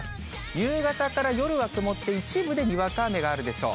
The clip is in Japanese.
夕方から夜は曇って、一部でにわか雨があるでしょう。